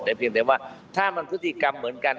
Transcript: แต่เพียงแต่ว่าถ้ามันพฤติกรรมเหมือนกัน